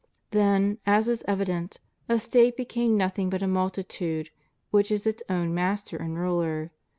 Thus, as is evident, a State becomes nothing but a multitude, which is its own master and ruler.